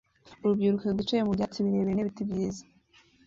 Urubyiruko rwicaye mu byatsi birebire n'ibiti byiza